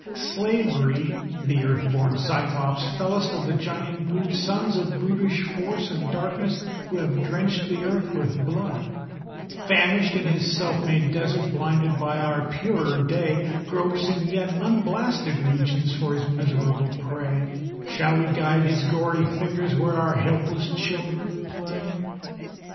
Slavery, the earth born Cyclops, fellest of the giant brood, Sons of brutish Force and Darkness, who have drenched the earth with blood, Famished in his self made desert, blinded by our purer day, Gropes in yet unblasted regions for his miserable prey;— Shall we guide his gory fingers where our helpless children play?